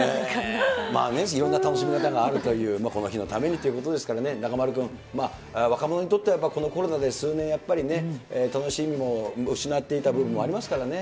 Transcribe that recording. まあね、いろんな楽しみ方があるという、この日のためにということですからね、中丸君、若者にとっては、やっぱこのコロナでこの数年、楽しみも失っていた部分もありまですね。